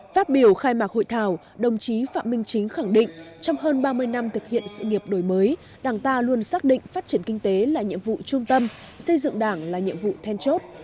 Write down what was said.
phát biểu khai mạc hội thảo đồng chí phạm minh chính khẳng định trong hơn ba mươi năm thực hiện sự nghiệp đổi mới đảng ta luôn xác định phát triển kinh tế là nhiệm vụ trung tâm xây dựng đảng là nhiệm vụ then chốt